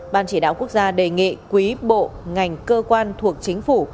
ban chỉ đạo quốc gia đề nghị quý bộ ngành cơ quan thuộc chính phủ